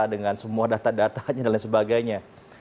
dengan semua data datanya dan lain sebagainya